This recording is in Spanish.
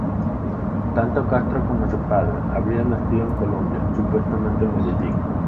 Tanto Castro como su padre habrían nacido en Colombia, supuestamente en Medellín.